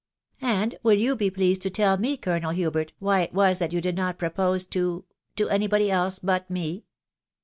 " And will you be pleased to tell me, Colonel Hubert, why it was that you did not propose to •... to any body ebte but me?"